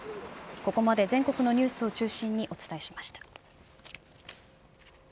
ここまで全国のニュースを中心にお伝えしました。